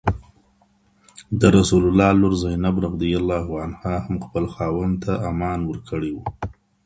درسول الله لورزينب رضي الله عنهاهم خپل خاوندته امان ورکړی وو.